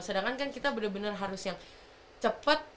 sedangkan kan kita bener bener harus yang cepet